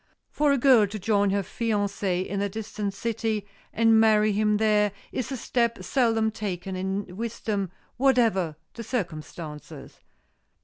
For a girl to join her fiancé in a distant city and marry him there is a step seldom taken in wisdom, whatever the circumstances.